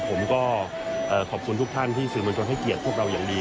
ผมก็ขอบคุณทุกท่านที่สื่อมวลชนให้เกียรติพวกเราอย่างดี